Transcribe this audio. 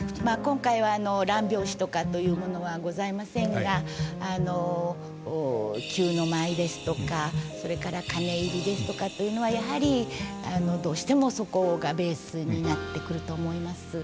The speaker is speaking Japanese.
まあ今回は「乱拍子」とかというものはございませんが「急之舞」ですとかそれから「鐘入」ですとかというのはやはりどうしてもそこがベースになってくると思います。